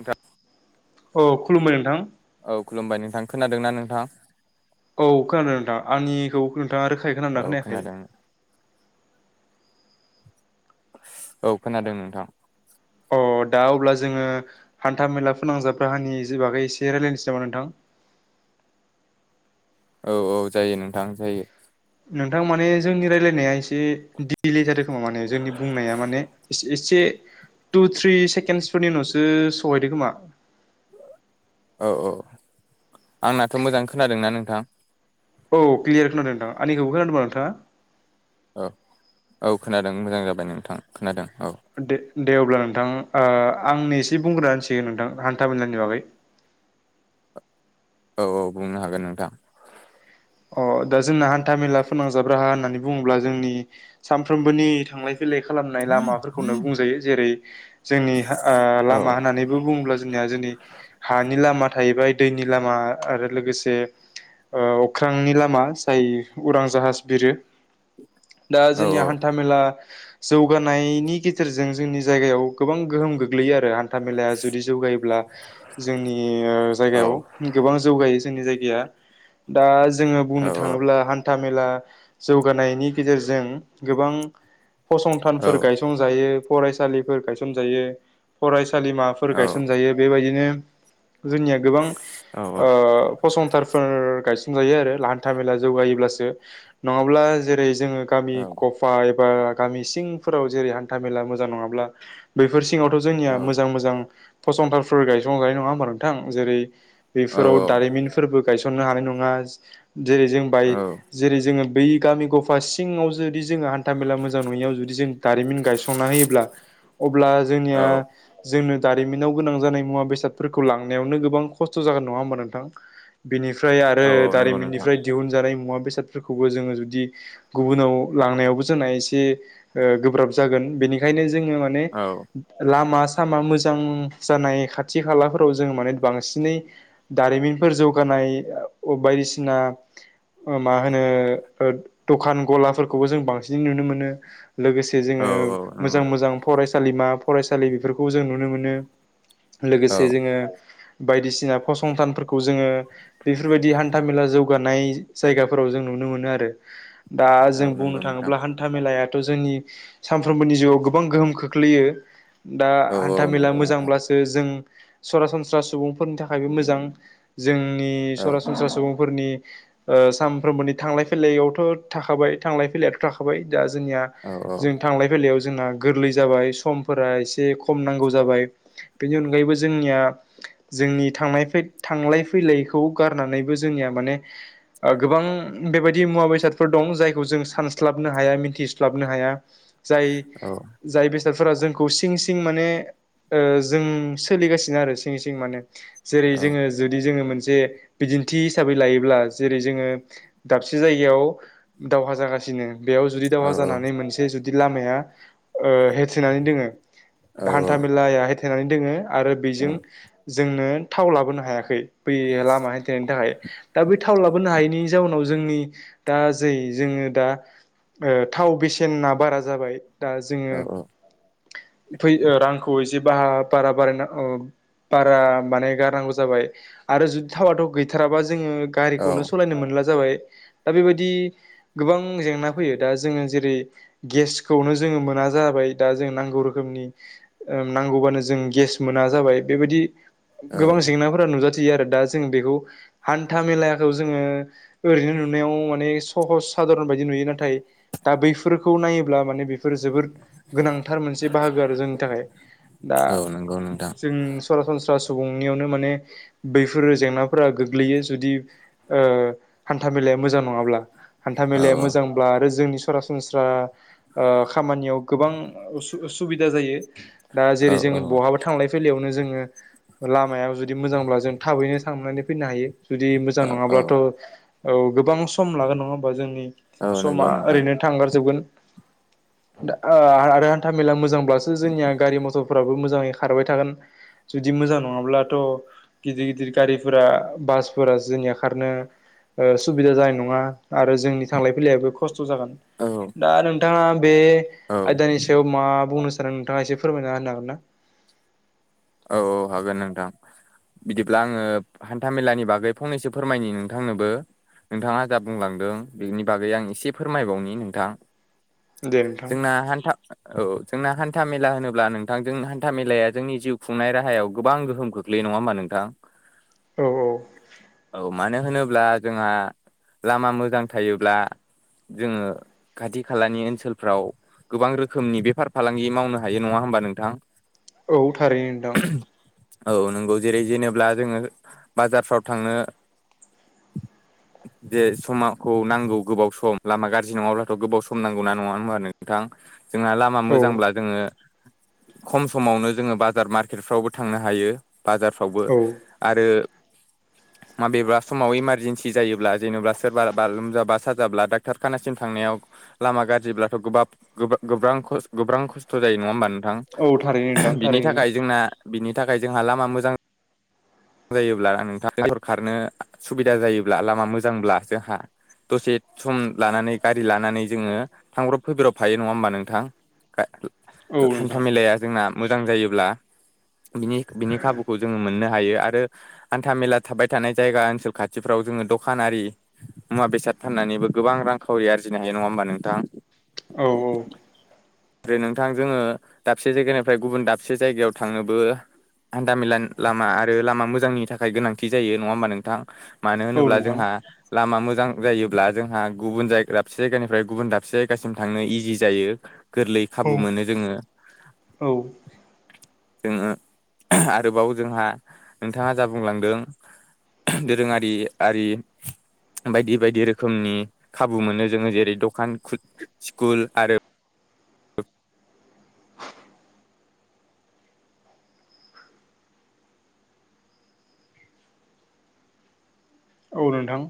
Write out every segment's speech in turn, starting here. नोंथां औ खुलुमबाय नोंथां। औ खुलुमबाय नोंथां खोनादों ना नोंथांङा? औ खोनादों नोंथां आंनिखौ नोंथाङा रोखायै औ खोनदोंना खोनायाखै? खोनादों औ खोनादों नोंथां। अ दा अब्ला जोङो हान्था मेला फोनांजाब राहानि जे बागै एसे रायज्लायनोसै नामा नोंथां। [inaudible] औ औ जायो नोंथां जायो। नोंथां माने जोंनि रायजलायनाया एसे दिले जादों। समाव माने जोंनि बुंनाया माने एस एसे टु थ्रि सेकेन्डसफोरनि उनावसो सहैदों खोमा। औ औ आंनाथ' मोजां खोनादोंना नोंथां। औ क्लियार खोनादों नोंथां आंनिखौबो खोनादोंमोना नोंथाङा? औ औ खोनादों मोजां जाबाय नोंथां खोनादों। औ [unintelligible] दे अब्ला नोंथां ओ आंनि एसे बुंग्रोना होनसै नोंथां हान्था मेलानि बागै। [inaudible] औ औ बुंनो हागोन नोंथां। अ दा जोंना हान्था मेला फोनांजाब राहा होननानै बुङोब्ला जोंनि सानफ्रोमबोनि थांलाय फैलाय खालामनाय लामाफोरखौनो बुंजायो जेरै जोंनि ओ औ लामा होननानैबो बुङोब्ला जोंनिया जोंनि हानि लामा थाहैबाय दैनि लामा आरो लोगोसे ओ अख्रांनि लामा जाय उरां जाहाज बिरो दा औ जोंनिया हान्थामेला जौगानायनि गेजेरजों जोंनि जायगायाव गोबां गोहोम गोग्लैयो आरो। हान्था मेलाया जुदि जौगायोब्ला जोंनि औ जायगायाव गोबां जौगायो। जोंनि जायगाया दा जोङो औ बुंनो थाङोब्ला हान्था मेला जौगानायनि गेजेरजों गोबां औ फसंथानफोर गायसंजायो फरायसालिफोर गायसनजायो फराय सालिमाफोर औ गायसनजायो बेबायदिनो जोंनिया गोबां ओ फसंथानफोर गायसं संजायो आरो हान्था मेला जौगायोब्लासो नङाब्ला जेरै जोङो गामि गफा एब बा गामि सिंफोराव जेरै हान्था मेला मोजां नङाब्ला बैफोर सि सिङावथ' जोंनिया औ मोजां मोजां फसंथानफोर गायसं जायो नङा होमबा नोंथां जेरै बेफोराव दारिमिनफोरबो गायसननो हानाय नङा जेरै जों बाय जेरै जोङो बै गामि गफा सिङाव जो दि जोङो हान्था मेला मोजां नङैयाव जुदि जों दारिमिन गायसंना होयोब्ला अब्ला जोंनिया जोंनो दारिमिनाव गोनां जानाय मुवा बेसादफोरखौ लांनायावनो गोबां खस्थ' जागोन नङा होमबा नोंथां? बेनिफ्राय आरो औ नंगौ नोंथां दारिमिननिफ्राय दिहुनजानाय मुवा बेसाद सादफोरखौबो जोङो जुदि गुबुनाव लांनायावबो जोंना एसे ओ गोब्राब जागोन बेनिखायनो जोंङो माने औ लामा सामा मोजां जानाय खाथि खालाफोराव जोंङो माने बांसिनै दारिमिनफोर जौगा नाय बायदिसिना, ओ मा होनो ओ दखान गलाफोरखौबो जों बांसिन नुनो मोनो। लोगोसे जोङो औ औ नंगौ मोजां मोजां फरायसालिमा फरायसालि बेफोरखौ जों नुनो मोनो। औ लोगोसे जोङो बायदिसिना फसंथानफोरखौ जोङो बेफोरबायदि हान था मेला जौगानाय जायगाफोराव जों नुनो मोनो आरो दा औ जों बुंनो नंगौ नोंथां थाङोब्ला हान्था मेलाया थ' जोंनि सानफ्रोमबोनि जिउआव गोबां गोहोम खोख्लैयो। दा औ हान्था औ मेला नंगौ नोंथां मोजांब्लासो जों, सरासनस्रा सुबुंफोरनि थाखायबो मोजां जोंनि औ सरासनस्रा सुबुंफोरनि ओ सानफ्रोमबोनि थांलाय फैलायावथ' थाखाबाय थांलाय फैलायाथ' थाखाबाय, दा जोंनिया औ औ जों थांलाय फैलायाव जोंना गोरलै जाबाय समफोरा एसे खम नांगौ जाबाय बेनि अनगायैबो जोंनिया, जोंनि थांनाय फै थांलाय फैलायखौ गारनानै जोंनिया माने ओ गोबां बेबायदि मुवा बेसादफोर दं जायखौ जों सानस्लाबनो हाया मिथिस्लाबनो हाया। जाय औ जाय बे साबेदफोरा जोंखौ सिं सिं माने ओ जों सोलिगासिनो आरो सिं सिं माने जेरै औ जोङो जुदि जोङो मोनसे बिदि न्थि हिसाबै लायोब्ला जेरै जोङो दाबसे जायगायाव दावहा जागासिनो बेयाव जुदि दावहा औ जानानै मोनसे जुदि लामाया ओ होेथेनानै दोङो। औ हान्था औ मेेलाया होथेनानै दोङो आरो औ बेजों जोंनो थाव लाबोनो हायाखै बै लामा हानथिनायनि थाखाय दा बै थाव लाबोनो हायैनि जाउनाव जोंनि दा जै जोङो दा ओ थाव बेसेना बारा जाबाय दा औ जोङो। फै रांखौ एसे बा बारा बारायना बारा माने गारनांगौ जाबाय आरो जुदि थावाथ' गैथाराबा जोङो गारिखौनो औ सालायनो मोनला जाबाय। दा बेबायदि गोबां जेंना फैयो दा जोङो जेरै गेसखौनो जोङो मोना, मोना जाबाय दा जों नांगौ रोखोमनि नांगौबानो जों गेस मोना जाबाय बेबायदि, औ गोबां जेंनाफोरा नुजाथियो आरो दा जों बेखौ, हान्था मेलाखौ जोङो ओरैनो नुनायाव माने सहस सादारन बायदि नुयो नाथाय, दा बैफोरखौ नायोब्ला माने बेफोरो जोबोद गोनांथार मोनसे बाहागो आरो जोंनि थाखाय, दा औ नंगौ नोंथां जों सरासनस्रा सुबुंनियावनो माने बैफोर जेंना, फोरा गोग्लैयो जुदि ओ हान्था मेलाया मोजां नङाब्ला हान्था औ मेलाया मोजांब्ला आरो जोंनि सरासनस्रा ओ खामानियाव गोबां सुबिदा जायो। दा औ जेरै जों बहाबो थांलाय फैलायायावनो जोङो लामाया जुदि मोजांब्ला जों थाबैनो थांनानै। फैनो हायो जुदि मोजां औ औ नङाब्लाथ' औ गोबां सम लागोन नङा होमबा जोंनि। औ समा नंगौ नोंथां ओरैनो थांगारजोबगोन, दा ओ आरो हान्था मेला मोजांब्लासो जोंनिया गारि मथरफोराबो मोजाङै खारबाय थागोन। जुदि मोजां नङाब्लाथ' गिदिर गिदिर गारि, फोरा बासफोरा जोंनिया खारनो, ओ सुबिदा जानाय नङा आरो जोंनि थांलाय फैलायबो खस्थ खस्थ' जागोन औ दा नोंथाङा बे औ आयदानि सायाव मा बुंनो नोंथाङा एसे फोरमायना होनो हागोन ना? औ औ हागोन नोंथां बिदिब्ला आङो हान्था मेलानि बागै फंनैसो फोरमायनि नोंथांनोबो, नोंथाङा जा बुंलांदों बेनि बागै आं एसे फोरमायबावनि नोंथां, दे नोंथां जोंना हान्था औ जोंना हान्थ हान्था मेला होनोब्ला नोंथांजों हान्था मेलाया जोंनि जिउ खुंनाय राहायाव गोबां गोहोम खोख्लैयो नङा होमबा नोंथां औ औ औ मानो होनोब्ला जोंहा लामा मोजां थायोब्ला जोङो खाथि खालानि ओनसोलफ्राव गोबां रोखोमनि बेफार फालांगि मावनो हायो नङा होमबा नोंथां औ थारैनो नोंथां औ नंगौ जेरै जेनेब्ला जोङो बाजारफ्राव थांनो [inaudible] जे समाखौ नांगौ गोबाव सम लामा गाज्रि नङाब्लाथ' गोबाव सम नांगौ ना नङा होनबा आरो नोंथां जोंहा लामा औ मोजांब्ला जोङो खम समावनो जोङो बाजार मारक पारकेटफ्रावबो थांनो हायो बाजारफ्रावबो औ आरो [inaudible] माबेबा समाव इमारजेन्सि जायोब्ला जेनेबा सोरबाा लोमजाबा साजाब्ला डाक्टर खानासिम थांनायाव लामा गाज्रिब्लाथ' गोबाब गोब्रां खस्थ' जायो नङा होमबा नोंथां औ थारैनो नोंथां बिनि थारैनो थाखाय जोंना बिनि थाखाय जोंहा लामा मोजां मोजां जायोब्ला नोंथां हरखारारनो सुबिदा जायोब्ला लामा मोजांब्ला जोंहा दसे सम लानानै गारि लानानै जोङो थांब्रब फैब्रबफायो नङा होमबा नोंथां औ [inaudible] हान्था नोंथां मेलाया जोंना मोजां जायोब्लानि बिनि खाबुखौ जोङो मोननो हायो हान्था मेला थाबाय थानाय जायगा ओनसोल खाथिफ्राव जोङो दखानारि मुवा बेसाद फाननानै बो गोबां रांखावरि आरजिनो हायो नङा होमबा नोंथां औ औ ओमफ्राय नोंथां जोङो दाबसे जायगानिफ्राय गुबुन दाबसे जायगायाव थांनोबो हान्था मेला लामा आरो लामा मोजांनि थाखाय गोनांथि जायो नंङा होमबा नोंथां मानो औ होनोब्ला नोंथां जोंहा लामा मोजां जायोब्ला जोंहा गुबुन जाय दाबसे जायगानिफ्राय गुबुन दाबसे जायगासिम थांनो इजि जायो गोरलै औ खाबु मोनो जोंङो औ जोंङो आरोबाव जोंहा नोंथाङा जा बुंलांदों दोरोंङारि आरि बायदि बायदि रोखोमनि खाबु मोनो जोङो जेरै दखान कुट स्कुल आरो औ नोंथां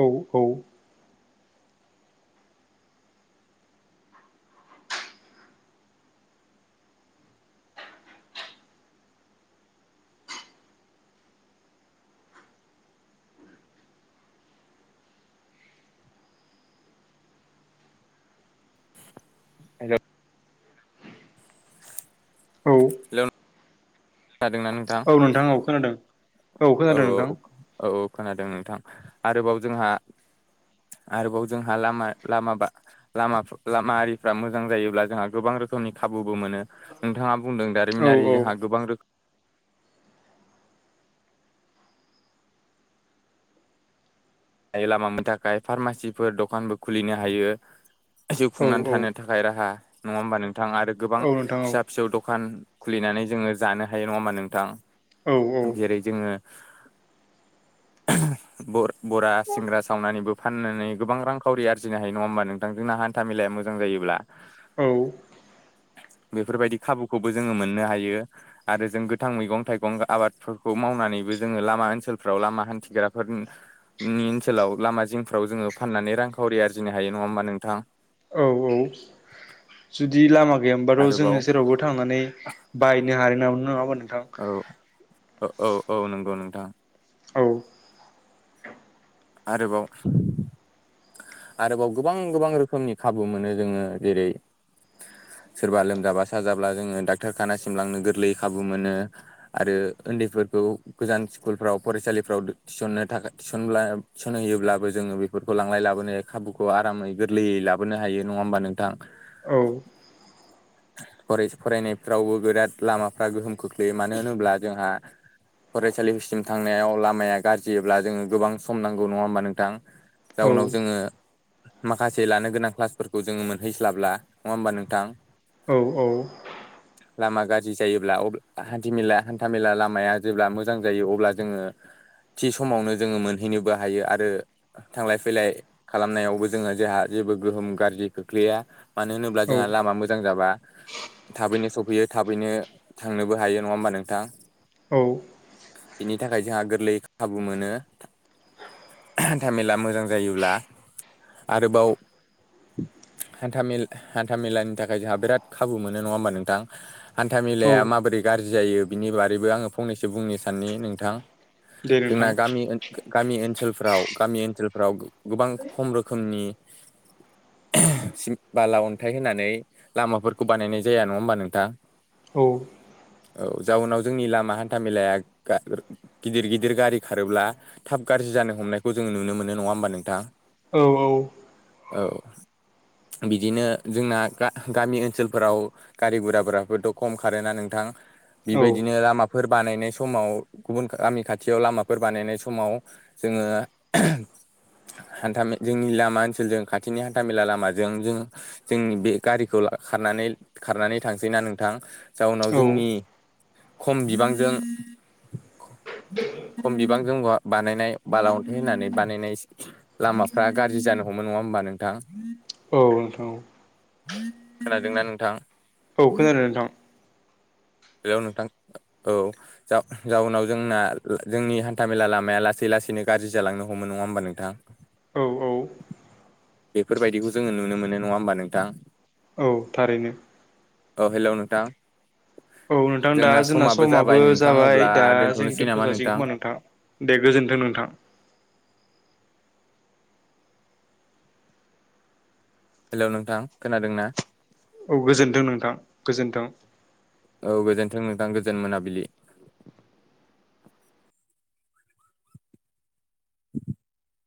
औ औ हेलौ औ खोनादोंना नोंथां औ औ खोनादों औ खोनादों नोंथां औ खोनादों नोंथां आरोबाव जोंहा आरोबाव जोंहा लामा लामाबा लामाफ लामा आरिफ्रा मोजां जायोब्ला जोंहा गोबां रो रोखोमनि खाबुबो मोनो नोंथाङा बुंदों औ दारिमिनारि औ जोंहा गोबां रोख लामानि थाखाय फार्मासिफोर दखानबो खुलिनो हायो। जिउ औ खुंनानै औ थानो थाखाय राहा नङा होमबा नोंथां आरो गोबां औ नोंथां औ फिसा-फिसौ दखान खुलिनानै जोङो जानो हायो नङा होमा नोंथां औ जेरै जोङो बर' बरा सिंग्रा सावनानैबो फाननानै गोबां रांखाउरि आरजिनो हायो नङा होमबा नोंथां जोंना हान्था मेलाया मोजां जायो ब्ला औ बेफोरबायदि खाबुखौबो जोङो मोननो हायो आरो जों गोथां मैगं-थाइगं आबादफोरखौ मावनानै बो जोंङो लामा ओनसोलफ्राव लामा हान्थिग्राफोरनो नि ओनसोलाव लामा जिंफ्राव जोङो फाननानै रांखावरि आरजिनो हायो नङा होमबा नोंथां औ जुदि लामा गैयामोनबाथ' जोंङो आरोबाव जेरावबो थांनानै बाहायनो हानाय नंङामोन नंङा नो थां ओ औ औ नंगौ नोंथां। औ आरोबाव आरोबाव गोबां गोबां रोखोमनि खाबु मोनो जोंङो जेरै [unintelligible] सोरबा लोमजाबा साजाब्ला जोंङो डाक्टार खानासिम लांनो गोरलै खाबु मोनो, आरो उन्दैफोर फोरखौ गोजान स्कुलफ्राव फरायसालिफ्राव थिसननो थाखाय थिसनब्ला थिसन हैयोब्लाबो जोंङो बेफोरखौ लांलाय लाबोनो खाबुखौ आरामै गोरलैयै लाबोनो हायो नंङा होमबा नोंथां? औ हरै फरायनायफ्रावबो बिराद लामाफ्रा गोहोम खोख्लैयो मानो होनोब्ला जोंहा फरायसालिसिम थांनायाव लामाया गाज्रियोब्ला जोंङो गोबां सम नांगौ नंङा होमबा नोंथां? औ जाउनाव जोंङो माखासे लानो गोनां क्लासफोरखौ जोंङो मोनहैस्लाबला नंङा होमबा नोंथां? [unintelligible] लामा गाज्रि जायोब्ला अब्ला हान्थि-मेला हान्था-मेला लामाया जेब्ला मोजां जायो अब्ला जोंङो थि समावनो जोंङो मोनहैनोबो हायो आरो ‌ थांलाय फैलाय खालामनायावबो जोंङो जोहा जेबो गोहोम गाज्रि खोख्लैया मानो होनोब्ला औ जोंहा - लामा मोजां जाबा थाबैनो सफैयो थाबैनो थांनोबो हायो नंङा होमबा नोंथां? औ बिनि थाखाय जोंहा गोरलै खाबु मोनो। हान्था-मेला मोजां जायोब्ला आरोबाव [unintelligible] हान्था मेल हान्था मेलानि थाखाय जोंहा बिराद खाबु मोनो नंङा होमबा नोंथां? हान्था औ मेलाया माबोरै गा गाज्रि जायो बिनि बारैबो आंङो फंनैसो बुंनो साननि नोंथां दे नोंथां जोंना गामि ओ गामि ओनसोलफ्राव गामि ओनसोलफ्राव गोबां खम रोखोमनि सिम बाला अन्थाइ होनानै लामाफोरखौ बानायनाय जाया नंङा होमबा नोंथां? औ औ जाउनाव जोंनि लामा हान्था मेलाया गा-गोर गिदिर गिदिर गारि खारोब्ला थाब गाज्रि जानो हमनायखौ जोंङो नुनो मोनो नंङा होमबा नोंथा? औ औ औ बिदिनो जोंना गा-गामि ओनसोलफोराव गारि गुराफोरथ' खम खारोना नोंथां औ बेबायदिनो लामाफोर बानायनाय समाव गुबुन गामि खाथियाव लामाफोर बानायनाय समाव जोंङो हान्था जोंनि लामा ओनसोलजों खाथिनि हान्था मेला लामाजों जों जोंनि बे गारिखौ बा खारनानै खारनानै थांसैना नोंथां जाउनाव औ जोंनि खम बिबांजों खम बिबांजों बहा बानायनाय बाला अन्थाइ होननानै बानायनाय लामाफ्रा गाज्रि जानो हमो नंङा होमबा नोंथां? औ नोंथां। खोनादोंना नोंथां? औ खोनादों नोंथां। हेल नोंथां औ जाउ-जाउनाव जोंना जोंनि हान्थामेला लामा माया लासै लासैनो गाज्रि जालांनो हमो नंङा होमबा नोंथां? औ औ बेफोरबायदिखौ जोंङो नुनो मोनो नंङा होमबा नोंथां? औ थारैनो औ हेल' नोंथां। औ नोंथां दा जोंना जाबाय समाबो नोंथां जाबाय अब्ला दा जों दोनथ'नोसै दोनथ' नामा जासिगोन खोमा नोंथां। दे गोजोन्थों नोंथां। हेल'नोंथां खोनादों ना? औ गोजोनथों नोंथां गोजोनथों। ओं नोंथां गोजोन मोनाबिलि। [inaudible]